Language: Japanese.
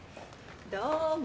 どうも。